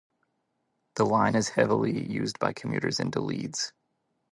The line is heavily used by commuters into Leeds.